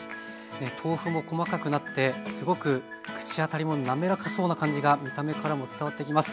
豆腐も細かくなってすごく口当たりもなめらかそうな感じが見た目からも伝わってきます。